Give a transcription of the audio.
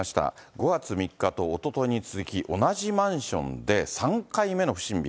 ５月３日とおとといに続き、同じマンションで、３回目の不審火。